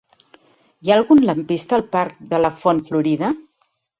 Hi ha algun lampista al parc de la Font Florida?